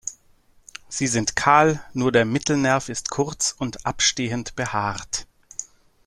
Sie sind kahl, nur der Mittelnerv ist kurz und abstehend behaart.